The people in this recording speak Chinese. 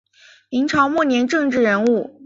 明朝末年政治人物。